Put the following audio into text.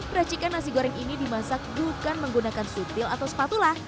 peracikan nasi goreng ini dimasak bukan menggunakan suntil atau spatula